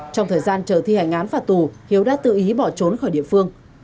trong thời gian chờ thi hành án phạt tù hiếu đã tự ý bỏ trốn khỏi địa phương